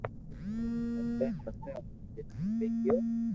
ھتي پسي اوني جناح ۾ لئي گيو